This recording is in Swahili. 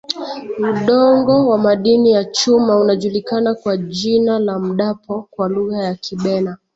Udongo wa madini ya chuma unajulikana kwa jina la Mdapo kwa Lugha ya Kibena